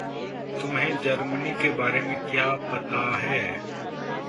तुम्हें जर्मनी के बारे में क्या पता है?